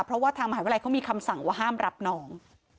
เพราะว่าทางมหาวิทยาลัยเขามีคำสั่งว่าห้ามรับน้อง